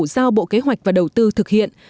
giao bộ kế hoạch và đầu tư thực hiện